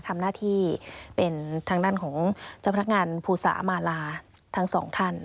ทำหน้าที่เป็นทางด้านของเจ้าพนักงานภูสามาลาทั้งสองท่าน